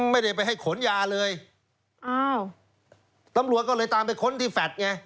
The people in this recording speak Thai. ไม่ได้ไปให้ขนยาเลยตำรวจก็เลยตามไปขนที่แฟทไง